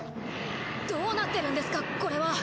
どうなってるんですかこれは。